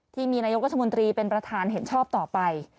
ที่มีนายกรัฐมนตรีเป็นประธานเห็นชอบต่อไป